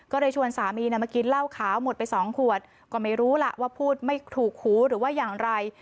ก็เลยชวนสามีมากินเหล้าขาวหมดไปสองขวดก็ไม่รู้ล่ะว่าพูดไม่ถูกหูหรือว่าอย่างไร